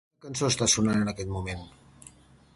Quina cançó està sonant en aquest moment?